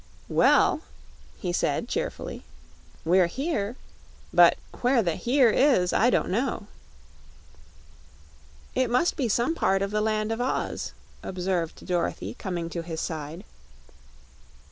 "Well," he said, cheerfully, "we're here; but where the here is I don't know." "It must be some part of the Land of Oz," observed Dorothy, coming to his side.